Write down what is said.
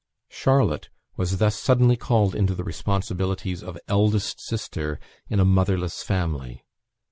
Charlotte was thus suddenly called into the responsibilities of eldest sister in a motherless family.